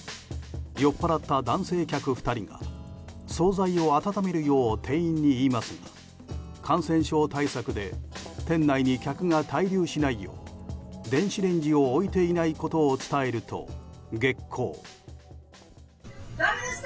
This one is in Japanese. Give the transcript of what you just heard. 酔っぱらった男性客２人が総菜を温めるよう店員に言いますが感染症対策で店内に客が滞留しないよう電子レンジを置いていないことを伝えると激高。